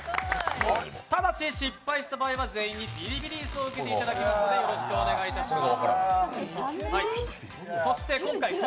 ただし失敗した場合は全員にビリビリ椅子を受けていただきますのでよろしくお願いいたします。